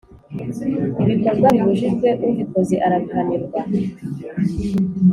ibikorwa bibujijwe ubikoze arabihanirwa.